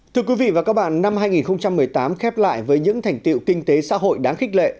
thưa quý vị và các bạn năm hai nghìn một mươi tám khép lại với những thành tiệu kinh tế xã hội đáng khích lệ